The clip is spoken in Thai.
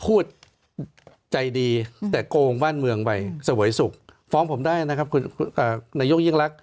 พูดใจดีแต่โกงบ้านเมืองไปเสวยสุขฟ้องผมได้นะครับคุณนายกยิ่งรัก